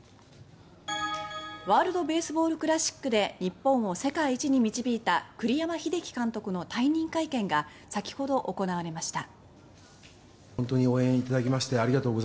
ワールド・ベースボール・クラシックで日本を世界一に導いた栗山英樹監督の退任会見が先ほど行われました。